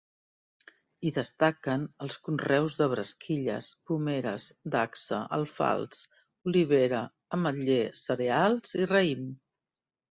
Hi destaquen els conreus de bresquilles, pomeres, dacsa, alfals, olivera, ametler, cereals i raïm.